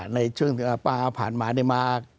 ในช่วงประวัติศาสตร์ผ่านมา